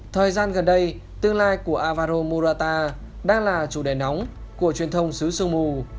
thời gian gần đây tương lai của avaro morata đang là chủ đề nóng của truyền thông xứ sương mù